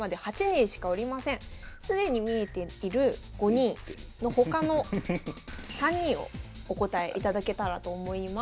既に見えている５人の他の３人をお答えいただけたらと思います。